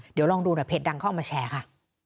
เดี๋ยวลองดูหน่อยเพจดังเขาเอามาแชร์ค่ะ